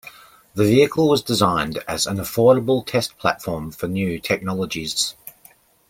The vehicle was designed as an affordable test platform for new technologies.